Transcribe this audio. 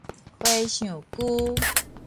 和尚龜